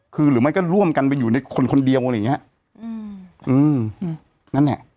คือหรือไม่ก็ร่วมกันไปอยู่ในคนคนเดียวอะไรอย่างเงี้ยอืมอืมนั่นแหละ